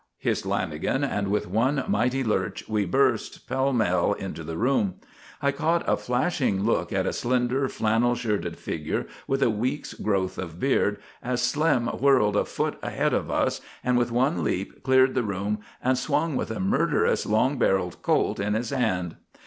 hissed Lanagan, and with one mighty lurch we burst pell mell into the room. I caught a flashing look at a slender, flannel shirted figure with a week's growth of beard as Slim whirled a foot ahead of us and with one leap cleared the room and swung with a murderous long barrelled Colt in his hand.